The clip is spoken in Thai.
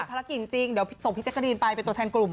พรักษณะจริงเดี๋ยวส่งพี่แจ็คกบรีนไปตัวแทนกลุ่ม